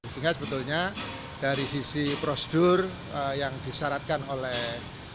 sehingga sebetulnya dari sisi prosedur yang disyaratkan oleh